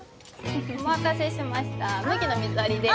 お待たせしました麦の水割りです。